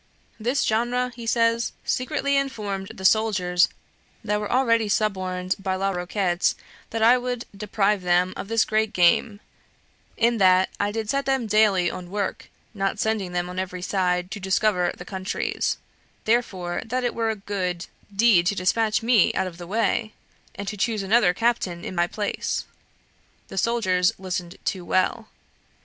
"This Genre," he says, "secretly enfourmed the Souldiers that were already suborned by La Roquette, that I would deprive them of this great game, in that I did set them dayly on worke, not sending them on every side to discover the Countreys; therefore that it were a good deede to dispatch mee out of the way, and to choose another Captaine in my place." The soldiers listened too well.